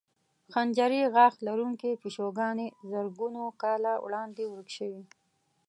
خنجري غاښ لرونکې پیشوګانې زرګونو کاله وړاندې ورکې شوې.